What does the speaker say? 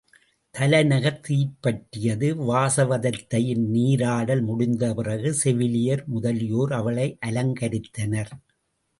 தலைநகர் தீப்பற்றியது வாசவதத்தையின் நீராடல் முடிந்தபிறகு செவிலியர் முதலியோர் அவளை அலங்கரித்தனர்.